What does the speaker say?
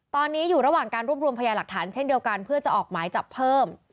ตอนนี้อยู่ระหว่างการรวบรวมพยาหลักฐานเช่นเดียวกันเพื่อจะออกหมายจับเพิ่ม